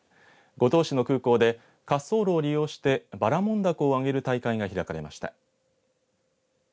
五島市の空港で滑走路を利用してばらもん凧を揚げる大会が開かれました。